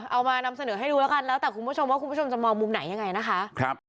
เอามานำเสนอให้ดูแล้วกันแล้วแต่คุณผู้ชมว่าคุณผู้ชมจะมองมุมไหนยังไงนะคะ